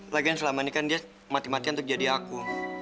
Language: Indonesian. lagian selama nikah dia mati matian untuk jadi aku